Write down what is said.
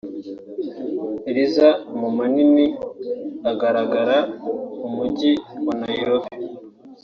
riza mu manini agaragara mu Mujyi wa Nairobi